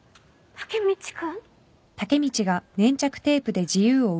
タケミチ君！